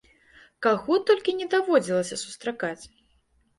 Каго толькі не даводзілася сустракаць!